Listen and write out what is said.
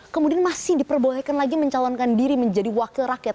kemudian masih diperbolehkan lagi mencalonkan diri menjadi wakil rakyat